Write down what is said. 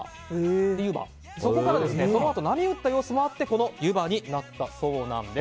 そこから、そのあと波打った様子もあってこの湯波になったそうです。